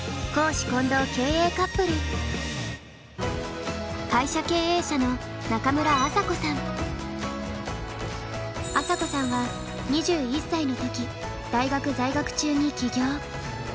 今宵は会社経営者の朝紗子さんは２１歳の時大学在学中に起業。